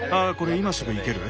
今すぐ生ける？